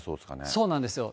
そうなんですよ。